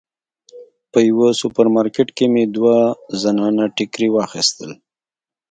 په یوه سوپر مارکیټ کې مې دوه زنانه ټیکري واخیستل.